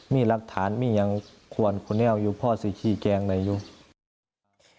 มี่รักฐานมี่ยังควรคุณนี่เอาก็คือพ่อสิกี่แกงเดียวหนึ่ง